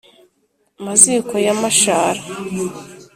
maziko ya mashara